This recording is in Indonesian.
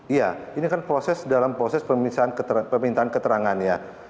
iya ini kan proses dalam proses pemintaan keterangan ya